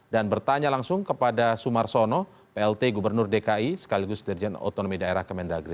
dan bertanya langsung kepada sumar sono plt gubernur dki sekaligus dirjen otonomi daerah kemendagri